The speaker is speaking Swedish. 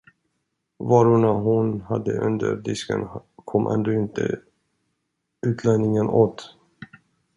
Varorna hon hade under disken kom ändå inte utlänningen åt.